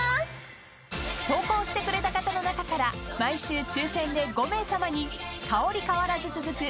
［投稿してくれた方の中から毎週抽選で５名さまに香り変わらず続く